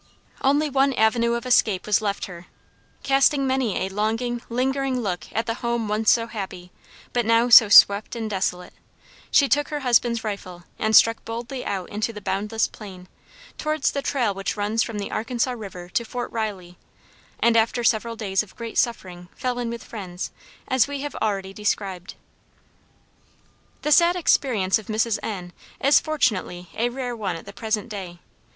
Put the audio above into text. Only one avenue of escape was left her; casting many "a longing, lingering look" at the home once so happy, but now so swept and desolate, she took her husband's rifle and struck boldly out into the boundless plain, towards the trail which runs from the Arkansas River to Fort Riley, and after several days of great suffering fell in with friends, as we have already described. The sad experience of Mrs. N. is fortunately a rare one at the present day.